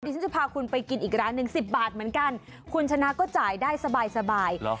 ซีฟาคุณไปกินอีกร้าน๑๑๐บาทเหมือนกันคุณชนาก็จ่ายได้สบาย